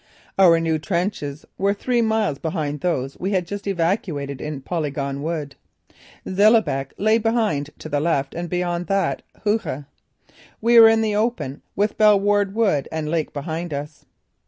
Our new trenches were three miles behind those we had just evacuated in Polygon Wood. Zillebeke lay just to the left and beyond that, Hooge. We were in the open, with Belle waarde Wood and Lake behind us.